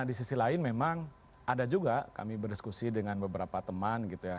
di sisi lain memang ada juga kami berdiskusi dengan beberapa teman gitu ya